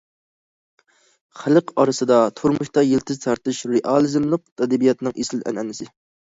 خەلق ئارىسىدا، تۇرمۇشتا يىلتىز تارتىش رېئالىزملىق ئەدەبىياتنىڭ ئېسىل ئەنئەنىسى.